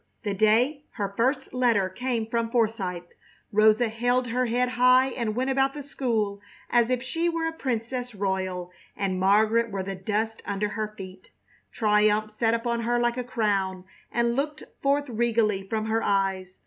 The day her first letter came from Forsythe, Rosa held her head high and went about the school as if she were a princess royal and Margaret were the dust under her feet. Triumph sat upon her like a crown and looked forth regally from her eyes.